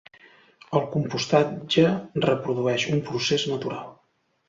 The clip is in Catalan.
El compostatge reprodueix un procés natural.